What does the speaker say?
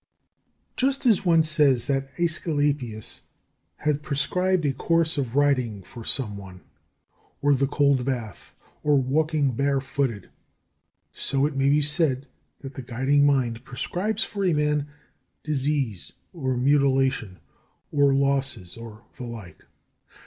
8. Just as one says that Aesculapius has prescribed a course of riding for some one, or the cold bath, or walking bare footed; so it may be said that the guiding Mind prescribes for a man, disease, or mutilation, or losses, or the like.